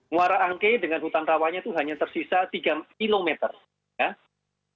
muara angke dengan hutan rawanya itu hanya tersisa tiga kilometer